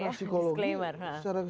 itu secara psikologi disclaimer